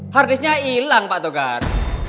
harddisknya hilang pak togar